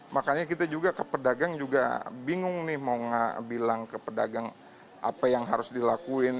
makanya kita juga ke pedagang juga bingung nih mau bilang ke pedagang apa yang harus dilakuin